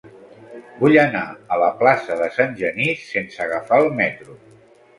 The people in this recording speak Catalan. Vull anar a la plaça de Sant Genís sense agafar el metro.